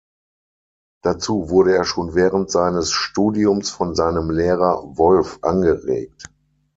Dazu wurde er schon während seines Studiums von seinem Lehrer Wolf angeregt.